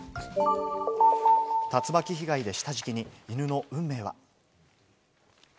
竜巻被害で下敷きに、犬の運命は？